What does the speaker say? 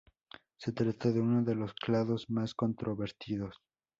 Se trata de uno de los clados más controvertidos.